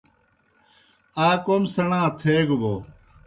آ کوْم سیْݨا تھیگہ بوْ